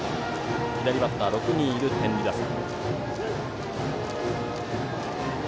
左バッターが６人いる天理打線。